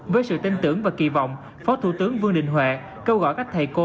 với sự tin tưởng và kỳ vọng phó thủ tướng vương đình huệ kêu gọi các thầy cô